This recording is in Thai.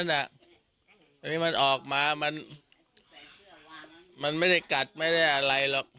อันนี้มันออกมามันไม่ได้กัดไม่ได้อะไรหรอก